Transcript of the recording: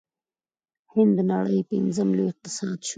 هند د نړۍ پنځم لوی اقتصاد شو.